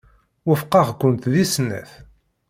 Wufqeɣ-kent deg snat.